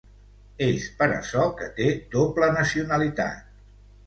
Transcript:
És per açò que té doble nacionalitat.